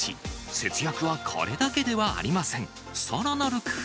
節約はこれだけではありません。